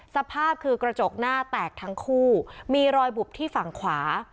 สภาพคือกระจกหน้าแตกทั้งคู่มีรอยบุบที่ฝั่งขวา